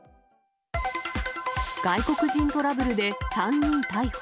外国人トラブルで３人逮捕。